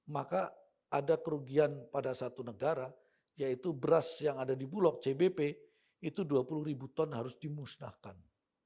maka ada kerugian pada satu negara yaitu beras yang ada di bulog cbp itu dua puluh ribu ton harus dimusnahkan